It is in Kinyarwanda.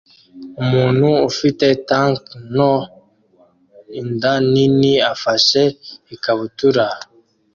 Umuntu ufite tank nto & inda nini afashe ikabutura